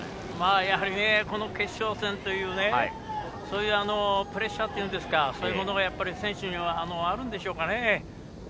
やはり決勝戦というもののプレッシャーというんですかそういうものが選手にはあるんでしょうかね。